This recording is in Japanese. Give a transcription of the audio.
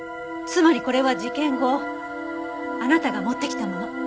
つまりこれは事件後あなたが持ってきたもの。